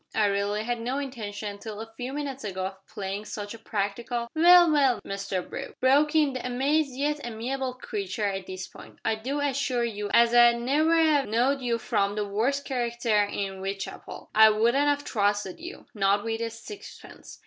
I really had no intention till a few minutes ago of playing such a practical " "Well, well, Mr Brooke," broke in the amazed yet amiable creature at this point, "I do assure you as I'd never 'ave know'd you from the worst character in W'itechapel. I wouldn't have trusted you not with a sixpence.